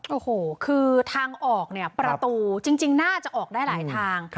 โอ้โหคือทางออกเนี่ยประตูจริงน่าจะออกได้หลายทาง